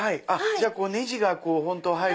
じゃあネジが本当は入る。